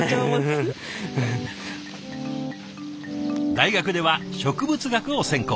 大学では植物学を専攻。